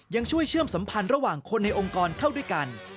ยังช่วยเชื่อมสัมพันธ์ระหว่างคนในองค์กรเข้าด้วยกัน